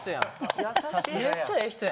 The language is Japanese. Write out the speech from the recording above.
めっちゃええ人やん。